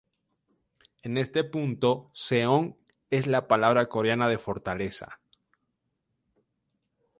En este punto, seong es la palabra coreana de fortaleza.